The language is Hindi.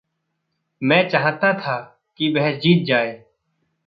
मैं चाहता था कि वह जीत जाए।